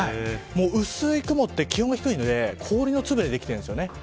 薄い雲って気温が低いので氷の粒でできているんです。